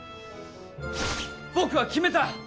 僕は決めた！